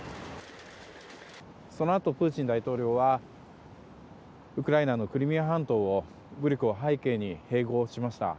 そのあとプーチン大統領はウクライナのクリミア半島を武力を背景に併合しました。